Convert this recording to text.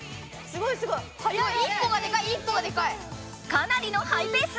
かなりのハイペース！